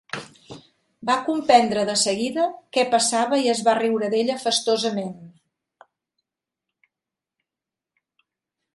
Va comprendre de seguida què passava i es va riure d'ella festosament.